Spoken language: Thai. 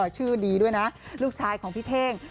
ชื่อดีด้วยนะลูกชายของพี่เท่ง